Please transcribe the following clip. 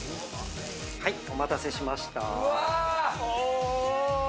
お待たせしました。